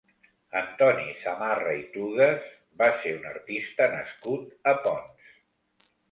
Antoni Samarra i Tugues va ser un artista nascut a Ponts.